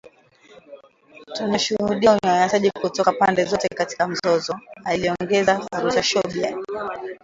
“Tunashuhudia unyanyasaji kutoka pande zote katika mzozo” aliongeza Rutashobya